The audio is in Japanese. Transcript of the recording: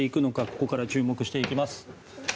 ここから注目していきます。